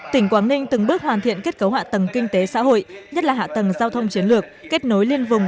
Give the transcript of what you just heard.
tỉnh quảng ninh từng bước hoàn thiện kết cấu hạ tầng kinh tế xã hội nhất là hạ tầng giao thông chiến lược kết nối liên vùng